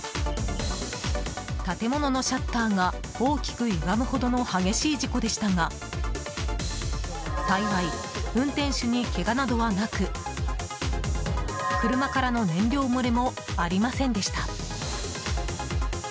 建物のシャッターが大きくゆがむほどの激しい事故でしたが幸い運転手にけがなどはなく車からの燃料漏れもありませんでした。